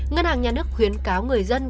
ngân hàng nhà nước khuyến cáo người dân